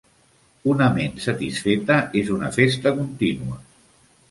Una ment satisfeta és una festa contínua.